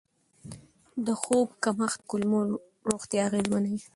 د خوب کمښت د کولمو روغتیا اغېزمنوي.